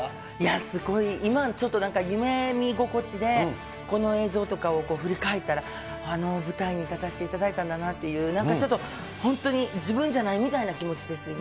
すごい、今ちょっとなんか夢見心地で、この映像とかを振り返ったら、あの大舞台に立たせていただいたんだなっていう、なんかちょっと、本当に自分じゃないみたいな気持ちです、今。